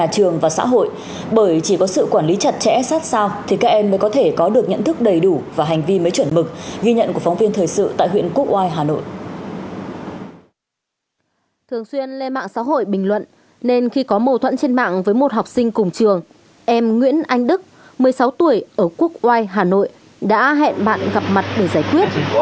thường xuyên lên mạng xã hội bình luận nên khi có mâu thuẫn trên mạng với một học sinh cùng trường em nguyễn anh đức một mươi sáu tuổi ở quốc oai hà nội đã hẹn bạn gặp mặt để giải quyết